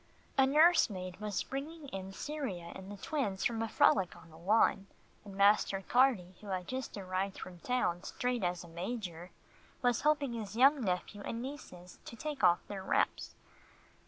A nurse maid was bringing in Cyria and the twins from a frolic on the lawn, and Master Carty, who had just arrived from town straight as a major, was helping his young nephew and nieces to take off their wraps.